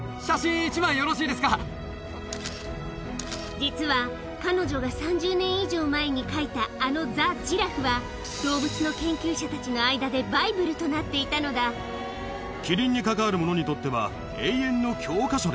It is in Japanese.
実は彼女が３０年以上前に書いたあの『ザ・ジラフ』は動物の研究者たちの間でバイブルとなっていたのだその思いで。